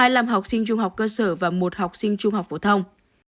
hai làm học sinh trung học cơ sở và một học sinh trung học phổ thông